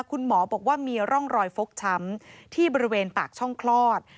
คุณหมอบอกว่ามีร่องรอยฟกช้ำที่บริเวณปากช่องคลอด